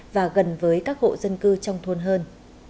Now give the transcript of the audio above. và gần với các hộ dân cư trong thôn hơn